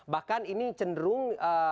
bahkan ini cenderung